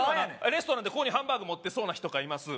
レストランでここにハンバーグ持ってそうな人がいます